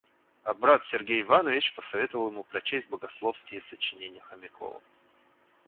Брат Сергей Иванович посоветовал ему прочесть богословские сочинения Хомякова.